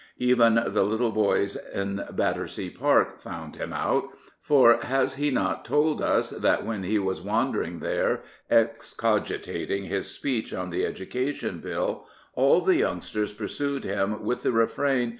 Even the little boys in Battersea Pau:k1foun3 him out, for has he not told us that when he was wandering there, excogitating his speech on the Education Bill, all the youngsters pursued him with the refrain.